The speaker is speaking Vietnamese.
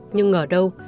nhưng ở đâu